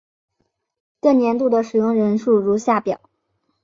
各年度的使用人数如下表。